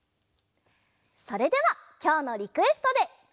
それではきょうのリクエストで。